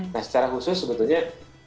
nah secara khusus sebetulnya